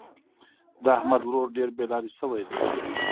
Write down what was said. د احمد ورور ډېر بې لارې شوی دی.